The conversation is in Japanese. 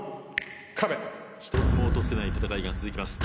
１つも落とせない戦いが続きます。